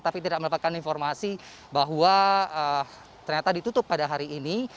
tapi tidak mendapatkan informasi bahwa ternyata ditutup pada hari ini